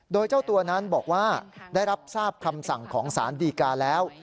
โดยเจ้าตัวนั้นบอกว่าได้รับทราบคำสั่งของสารดีกาแล้ว